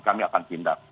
kami akan tindak